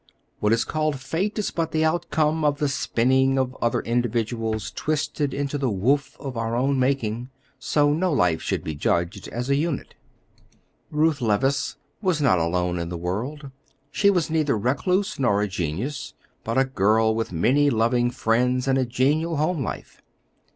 What is called fate is but the outcome of the spinning of other individuals twisted into the woof of our own making; so no life should be judged as a unit. Ruth Levice was not alone in the world; she was neither recluse nor a genius, but a girl with many loving friends and a genial home life.